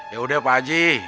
ya udah pak haji